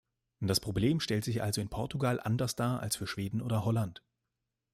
Das Problem stellt sich also in Portugal anders dar als für Schweden oder Holland.